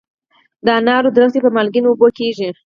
د انارو ونې په مالګینو اوبو کیږي؟